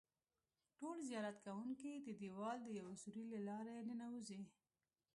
ټول زیارت کوونکي د دیوال د یوه سوري له لارې ننوځي.